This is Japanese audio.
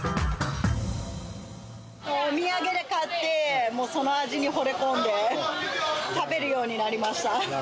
お土産で買ってその味にほれ込んで食べるようになりました。